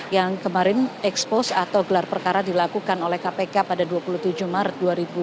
yang kemarin ekspos atau gelar perkara dilakukan oleh kpk pada dua puluh tujuh maret dua ribu dua puluh